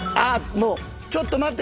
もうちょっと待って。